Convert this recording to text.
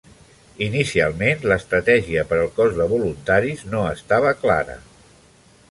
Inicialment, l'estratègia per al cos de voluntaris no estava clara.